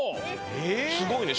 すごいね。